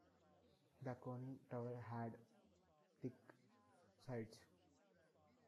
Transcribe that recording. The conning tower had thick sides.